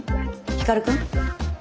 光くん？